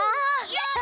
やった！